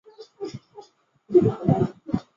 现任主席及总裁为。